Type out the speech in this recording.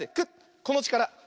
このちから。